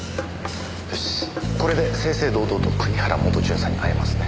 よしこれで正々堂々と国原元巡査に会えますね。